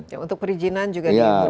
ya untuk perizinan juga dibuka